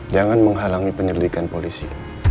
jangan menghalangi penyelidikan polisi